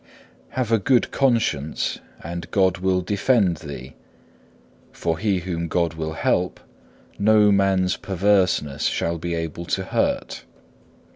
Have a good conscience and God will defend thee, for he whom God will help no man's perverseness shall be able to hurt.